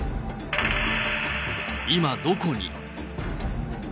今どこに。